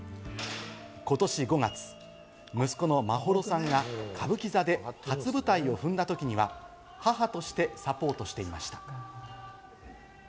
ことし５月、息子の眞秀さんが歌舞伎座で初舞台を踏んだときには、母としてサポートしていました。